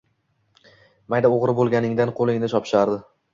Mayda o‘g‘ri bo‘lganingda qo‘lingni chopishardi.